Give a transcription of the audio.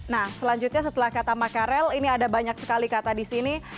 nah selanjutnya setelah kata makarel ini ada banyak sekali kata di sini